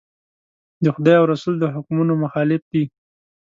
د خدای او رسول د حکمونو مخالف دي.